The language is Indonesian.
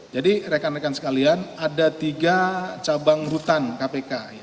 jadi rekan rekan sekalian ada tiga cabang rutan kpk